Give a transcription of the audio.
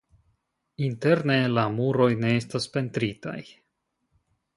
Interne la muroj ne estas pentritaj.